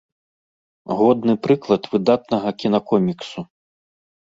Годны прыклад выдатнага кінакоміксу.